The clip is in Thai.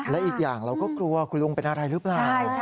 และอีกอย่างเราก็กลัวคุณลุงเป็นอะไรหรือเปล่า